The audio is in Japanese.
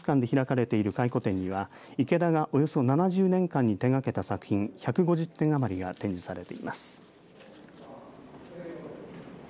佐賀市の県立美術館で開かれている回顧展には池田がおよそ７０年間に手がけた作品１５０点余りが展示されています。